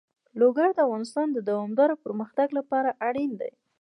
لوگر د افغانستان د دوامداره پرمختګ لپاره اړین دي.